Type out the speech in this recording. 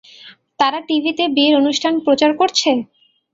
তারা টিভিতে বিয়ের অনুষ্ঠান প্রচার করছে?